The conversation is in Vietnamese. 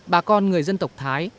bà con người dân tộc thái